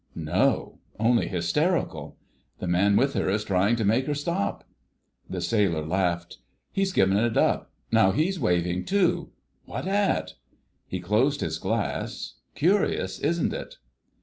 "No—only hysterical. The man with her is trying to make her stop." The sailor laughed. "He's given it up ... now he's waving too—what at?" He closed his glass. "Curious, isn't it?"